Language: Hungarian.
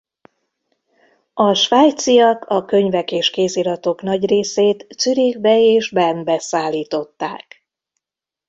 A svájciak a könyvek és kéziratok nagy részét Zürichbe és Bernbe szállították.